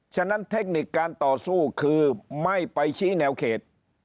ฉะนั้นเทคนิคการต่อสู้คือไม่ไปชี้แนวเขต